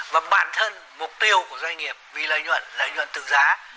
và bản thân mục tiêu của doanh nghiệp vì lợi nhuận lợi nhuận từ giá